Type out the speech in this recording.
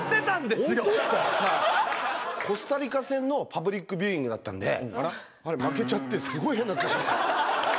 コスタリカ戦のパブリックビューイングだったんで、負けちゃって、すごい変な空気に。